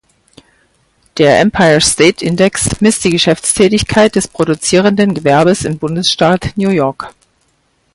Der Empire State Index misst die Geschäftstätigkeit des produzierenden Gewerbes im Bundesstaat New York.